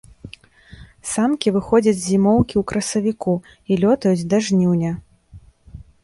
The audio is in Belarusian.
Самкі выходзяць з зімоўкі ў красавіку і лётаюць да жніўня.